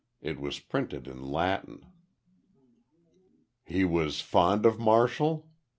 It was printed in Latin. "He was fond of Martial?"